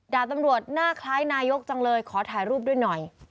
ดาบตำรวจหน้าคล้ายนายกจังเลยขอถ่ายรูปด้วยหน่อย